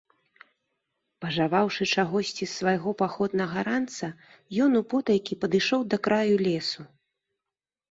Пажаваўшы чагосьці з свайго паходнага ранца, ён употайкі падышоў да краю лесу.